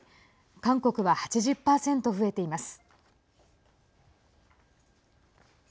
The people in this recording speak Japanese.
韓国は８０％増えています。